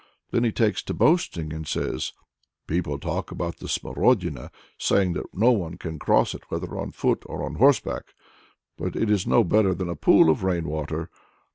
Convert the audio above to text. Then he takes to boasting, and says, "People talk about the Smorodina, saying that no one can cross it whether on foot or on horseback but it is no better than a pool of rain water!"